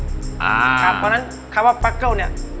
เพราะฉะนั้นคำว่าปั๊กเกิ้ลเนี่ย